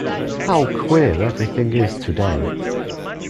How queer everything is to-day!